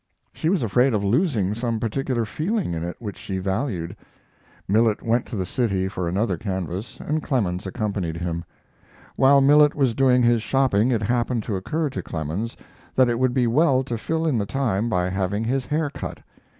She was afraid of losing some particular feeling in it which she valued. Millet went to the city for another canvas and Clemens accompanied him. While Millet was doing his shopping it happened to occur to Clemens that it would be well to fill in the time by having his hair cut.